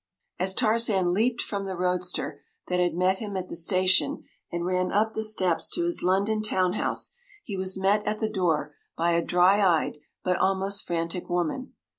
” As Tarzan leaped from the roadster that had met him at the station and ran up the steps to his London town house he was met at the door by a dry eyed but almost frantic woman.